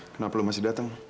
kenapa lo masih datang